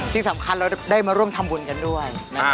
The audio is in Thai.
ที่สำคัญเราได้มาร่วมทำบุญกันด้วย